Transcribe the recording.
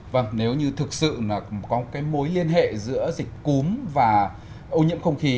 vâng nếu như thực sự có mối liên hệ giữa dịch cúm và ô nhiễm không khí